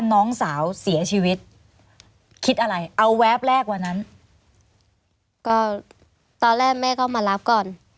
น้องสาวเสียชีวิตคิดอะไรเอาแวบแรกวันนั้นก็ตอนแรกแม่ก็มารับก่อน